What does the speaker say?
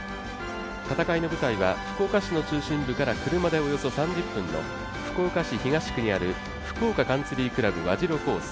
戦いの舞台は福岡市の中心部から車でおよそ３０分の福岡市の福岡カンツリー倶楽部和白コース